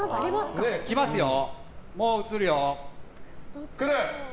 来ますよ。